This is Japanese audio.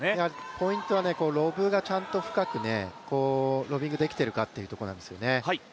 ポイントはロブがちゃんと深く、ロビングできているかということなんですね。